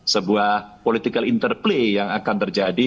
sebuah political interplay yang akan terjadi